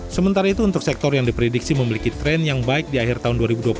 sementara itu untuk sektor yang diprediksi memiliki tren yang baik di akhir tahun dua ribu dua puluh satu